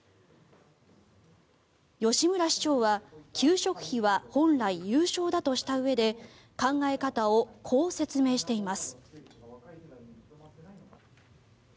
吉村市長は給食費は本来有償だとしたうえで考え方をこう説明しています。